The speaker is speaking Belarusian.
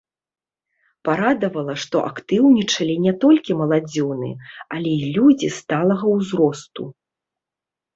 Парадавала, што актыўнічалі не толькі маладзёны, але і людзі сталага ўзросту.